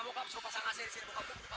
tuh manja kecil kecil kemuran